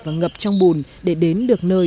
và ngập trong bùn để đến được nơi